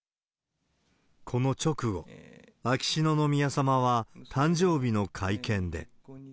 この直後、秋篠宮さまは誕生日の会見で。